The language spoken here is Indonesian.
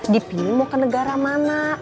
dipilih mau ke negara mana